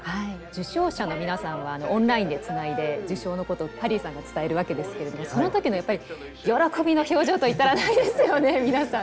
受賞者の皆さんはオンラインでつないで受賞のことをハリーさんが伝えるわけですけれどもその時のやっぱり喜びの表情といったらないですよね皆さん。